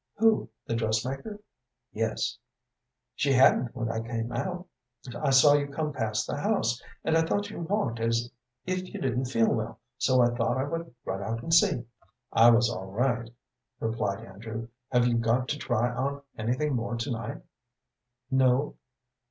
"Who, the dressmaker?" "Yes." "She hadn't when I came out. I saw you come past the house, and I thought you walked as if you didn't feel well, so I thought I would run out and see." "I was all right," replied Andrew. "Have you got to try on anything more to night?" "No."